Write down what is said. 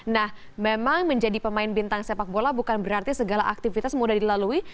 nah memang menjadi pemain bintang sepak bola bukan berarti segala aktivitas mudah dilalui